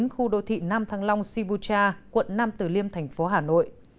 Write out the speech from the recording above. khu đô thị nam thăng long sibu cha quận nam tử liêm thành phố hà nội